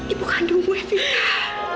ibu kandungmu arvinda